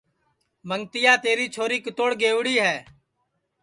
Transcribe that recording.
منگتیا تیری چھوری کِتوڑ گئیوڑی ہے